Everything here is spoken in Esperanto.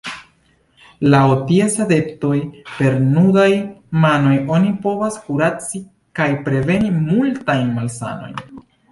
Laŭ ties adeptoj, per nudaj manoj oni povas kuraci kaj preventi multajn malsanojn.